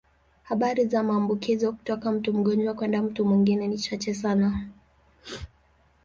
Habari za maambukizo kutoka mtu mgonjwa kwenda mtu mwingine ni chache sana.